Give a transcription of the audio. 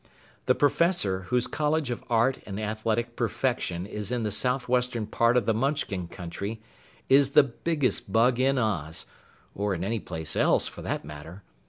The Professor, whose College of Art and Athletic Perfection is in the southwestern part of the Munchkin country, is the biggest bug in Oz, or in anyplace else, for that matter.